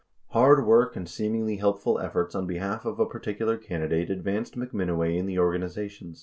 72 Hard work and seemingly helpful efforts on behalf of a particular candidate advanced McMinoway in the organization.